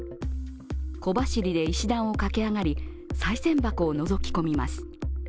小走りで石段を駆け上がり、さい銭箱をのぞき込みます。